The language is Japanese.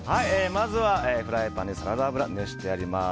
まずはフライパンにサラダ油を熱してあります。